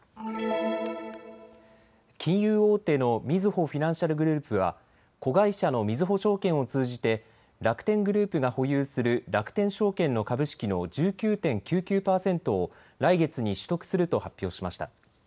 金融大手のみずほフィナンシャルグループは子会社のみずほ証券を通じて楽天グループが保有する楽天証券の株式の１９．９９％を来月に取得すると発表しました。